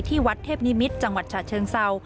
ที่วัดเทพนิมิตรจังหวัดฉะเชิงเศร้า